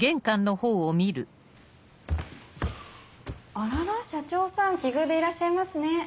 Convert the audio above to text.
・あらら社長さん奇遇でいらっしゃいますね。